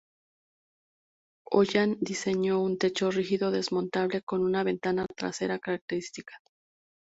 Holland diseñó un techo rígido desmontable con una ventana trasera característica.